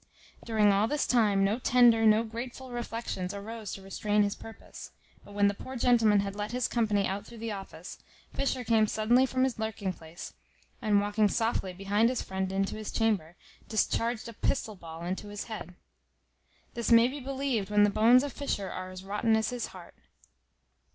During all this time, no tender, no grateful reflections arose to restrain his purpose; but when the poor gentleman had let his company out through the office, Fisher came suddenly from his lurking place, and walking softly behind his friend into his chamber, discharged a pistol ball into his head. This may be believed when the bones of Fisher are as rotten as his heart.